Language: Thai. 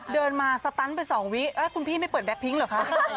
เดินมาสตันไป๒วิคุณพี่ไม่เปิดแก๊พิ้งเหรอคะ